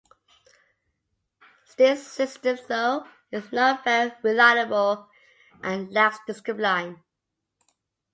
This system though, is not very reliable and lacks discipline.